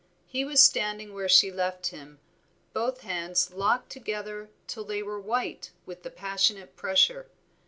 He was standing where she left him, both hands locked together till they were white with the passionate pressure.